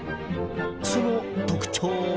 その特徴は。